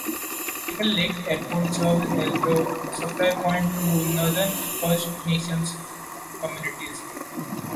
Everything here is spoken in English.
Pickle Lake Airport serves as the supply point to northern First Nations communities.